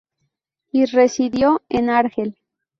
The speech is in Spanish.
Y, residió en Argel.